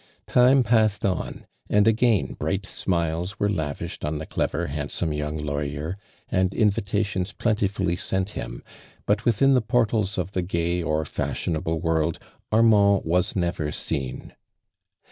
Time pasoerl on, and again bright smiles were lavished on the clever, handsome young lawyer, and invitations plentifully sent him, but within the portals of the gay or fashionable world, Ai mand was never seen.